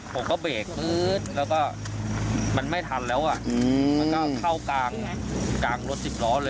ผมก็เบรกปื๊ดแล้วก็มันไม่ทันแล้วอ่ะมันก็เข้ากลางรถสิบล้อเลย